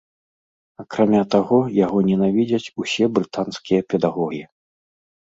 Акрамя таго, яго ненавідзяць усе брытанскія педагогі.